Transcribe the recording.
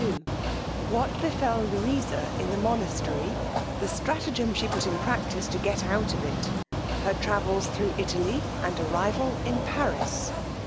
_What befel Louisa in the monastery: the stratagem she put in practice to get out of it: her travels thro' Italy, and arrival in Paris_.